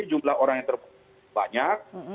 jumlah orang yang terbanyak